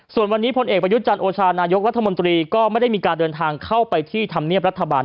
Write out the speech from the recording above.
ส่วนวันนี้พลเอกประยุทธ์จันทร์โอชานายกรัฐมนตรีก็ไม่ได้มีการเดินทางเข้าไปที่ธรรมเนียบรัฐบาล